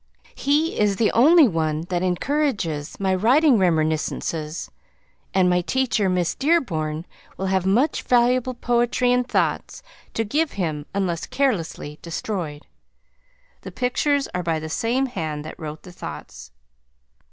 He is the only one that incourages My writing Remerniscences and My teacher Miss Dearborn will Have much valuable Poetry and Thoughts To give him unless carelessly destroyed. The pictures are by the same hand that Wrote the Thoughts.